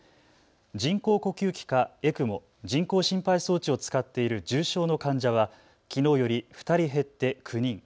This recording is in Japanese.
人工呼吸器かＥＣＭＯ・人工心肺装置を使っている重症の患者はきのうより２人減って９人。